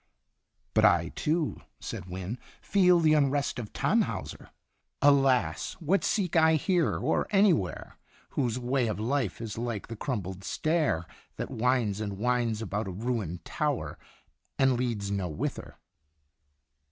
"" But I, too," said Wynne, " feel the unrest of Tannhauser: 'Alas ! what seek I here, or anywhere, Whose way of life is like the crumbled stair That winds and winds about a ruined tower, And leads no whither.'